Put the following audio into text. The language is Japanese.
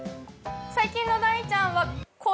最近の大ちゃんは。